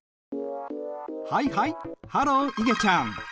はいはいハローいげちゃん。